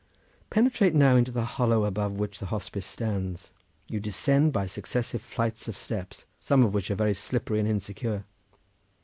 Penetrate now into the hollow above which the hospice stands. You descend by successive flights of steps, some of which are very slippery and insecure.